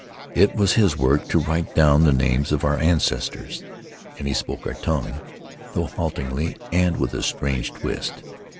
It was his work to write down the names of our ancestors, and he spoke our tongue, though haltingly and with a strange twist.